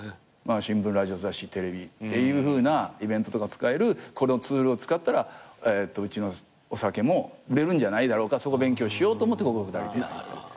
新聞ラジオ雑誌テレビっていうふうなイベントとか使えるこのツールを使ったらうちのお酒も売れるんじゃないだろうかそこ勉強しようと思って広告代理店。